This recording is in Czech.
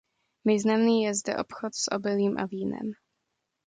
Významný je zde obchod s obilím a vínem.